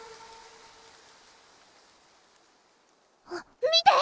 あっ見て！